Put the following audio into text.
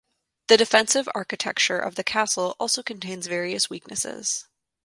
The defensive architecture of the castle also contains various weaknesses.